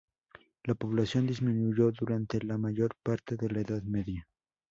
La población disminuyó durante la mayor parte de la Edad Media.